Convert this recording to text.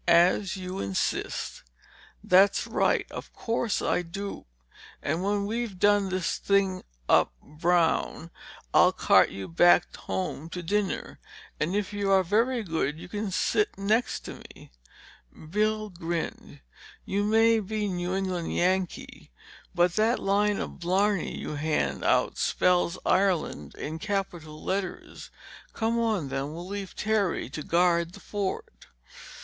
As you insist—" "That's right. Of course I do. And when we've done this thing up brown, I'll cart you back home to dinner—and if you are very good you can sit next to me!" Bill grinned. "You may be New England Yankee, but that line of blarney you hand out spells Ireland in capital letters! Come on then, we'll leave Terry to guard the fort."